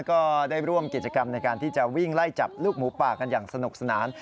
ก็ได้ร่วมกิจกรรมในการที่จะวิ่งไล่จับลูกหมูป่ากันอย่างสนุกสนาน